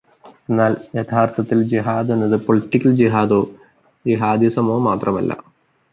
എന്നാല് യഥാര്ത്ഥത്തില് ജിഹാദ് എന്നത് പൊളിറ്റിക്കല് ജിഹാദോ, ജിഹാദിസമോ മാത്രമല്ല.